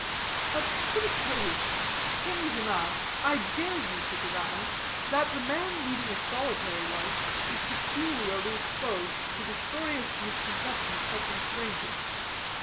"But put a case. Can you deny I dare you to deny that the man leading a solitary life is peculiarly exposed to the sorriest misconceptions touching strangers?"